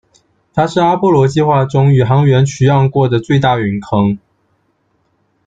它是阿波罗计划中宇航员取样过的最大陨坑。